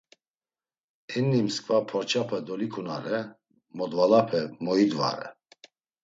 Enni mskva porçape dolikunare, modvalupe moyidvare.